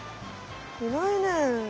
いないね。